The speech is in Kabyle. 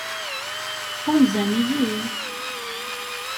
Ɣunzan-iyi?